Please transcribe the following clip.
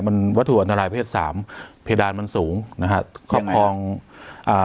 มันวัตถุอันตรายเพศสามเพดานมันสูงนะฮะครอบครองอ่า